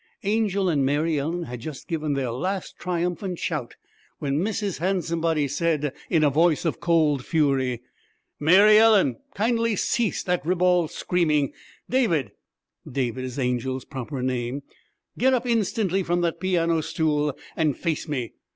Angel and Mary Ellen had just given their last triumphant shout, when Mrs. Handsomebody said in a voice of cold fury, 'Mary Ellen, kindly cease that ribald screaming. David [David is Angel's proper name], get up instantly from that piano stool and face me!